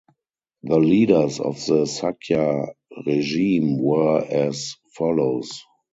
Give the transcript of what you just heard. The leaders of the Sakya regime were as follows.